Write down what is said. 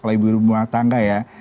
kalau ibu ibu rumah tangga ya